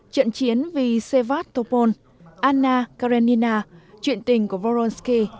trận chiến vì sevat topol anna karenina chuyện tình của voronsky